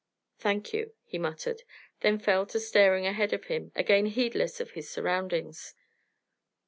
"Thank you," he muttered; then fell to staring ahead of him, again heedless of his surroundings.